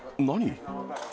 何？